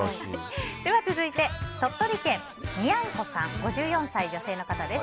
続いて、鳥取県５４歳、女性の方です。